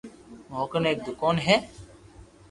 مون ڪني ايڪ دوڪون ھي